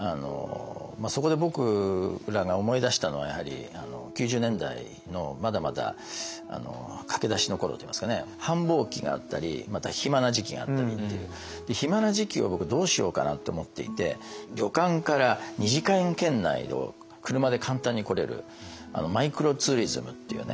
そこで僕らが思い出したのはやはり９０年代のまだまだ駆け出しの頃といいますかね繁忙期があったりまた暇な時期があったりっていう暇な時期を僕どうしようかなって思っていて旅館から２時間圏内を車で簡単に来れるマイクロツーリズムっていうね